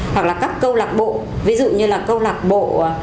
hoặc là các câu lạc bộ ví dụ như là câu lạc bộ